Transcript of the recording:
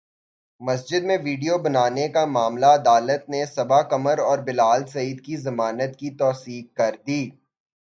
مسجد میں ویڈیو بنانے کا معاملہ عدالت نے صبا قمر اور بلال سعید کی ضمانت کی توثیق کردی